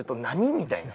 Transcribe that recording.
みたいな。